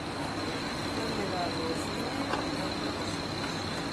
Foi levado ao cine en catro ocasións.